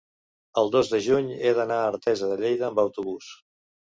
el dos de juny he d'anar a Artesa de Lleida amb autobús.